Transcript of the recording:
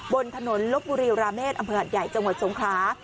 บนถนนลบบุรีราเมฆอำเภอหัดใหญ่จังหวัดสงครา